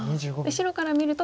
白から見ると。